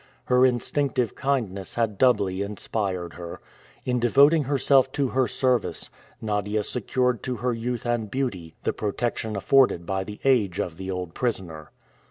Her instinctive kindness had doubly inspired her. In devoting herself to her service, Nadia secured to her youth and beauty the protection afforded by the age of the old prisoner.